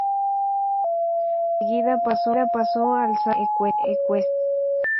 Pero enseguida pasó al salto ecuestre.